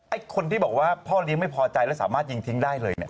ไอ้คนที่บอกว่าพ่อเลี้ยงไม่พอใจแล้วสามารถยิงทิ้งได้เลยเนี่ย